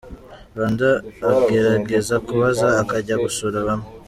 Rwanda agerageza kubaza, akajya gusura bamwe.